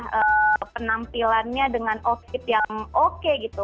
ya penampilannya dengan outfit yang oke gitu